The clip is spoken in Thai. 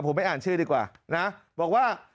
ผมไปอ่านชื่อดีกว่านะบอกว่า